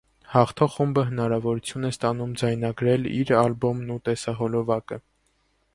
Հաղթող խումբը հնարավորություն է ստանում ձայնագրել իր ալբոմն ու տեսահոլովակը։